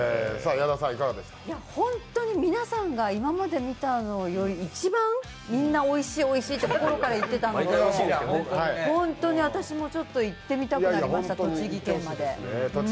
本当に皆さんが今まで見たのより一番、みんなおいしい、おいしいって心から言ってたので本当に私も行ってみたくなりました、栃木県まで。